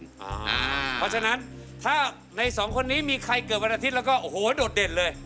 เพราะฉะนั้นถ้าในสองคนนี้มีใครเกิดวันอาทิตย์แล้วก็โอ้โหโดดเด่นเลย